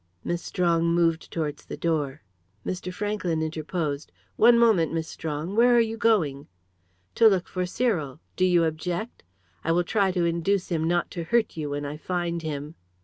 Miss Strong moved towards the door. Mr. Franklyn interposed. "One moment, Miss Strong. Where are you going?" "To look for Cyril. Do you object? I will try to induce him not to hurt you, when I find him."